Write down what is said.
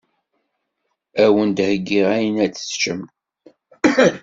Awen-d heggiɣ ayen ad teččem.